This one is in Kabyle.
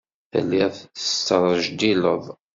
Telliḍ tesrejdileḍ.